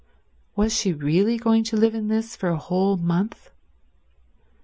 Was she really going to live in this for a whole month?